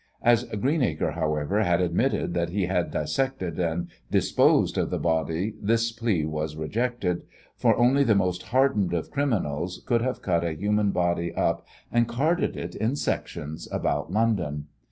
As Greenacre, however, had admitted that he had dissected and disposed of the body this plea was rejected, for only the most hardened of criminals could have cut a human body up and carted it in sections about London.